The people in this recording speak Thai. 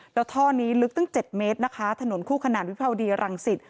แล้วท่อนี้ลึกตั้ง๗เมตรนะคะถนนคู่ขนาดวิภาวดีรังสิต